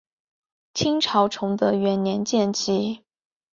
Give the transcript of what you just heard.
清朝崇德元年建旗。